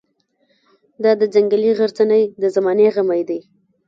دا د ځنګلي غرڅنۍ د زمانې غمی دی.